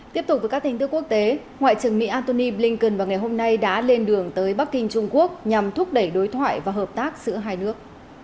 tiếp tục với các tin tức quốc tế ngoại trưởng mỹ antony blinken vào ngày hôm nay đã lên đường tới bắc kinh trung quốc nhằm thúc đẩy đối thoại và hợp tác giữa hai nước